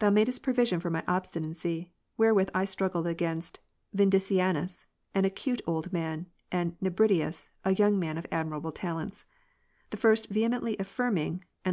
Thou madest provision for my obstinacy wherewith I struggled against Yindicianus ^, an acute old man, and Nebridius, a yourg man I of admirable talents ; the first vehemently affirming, and the